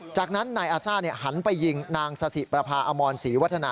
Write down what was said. จากนั้นนายอาซ่าหันไปยิงนางสสิประพาอมรศรีวัฒนา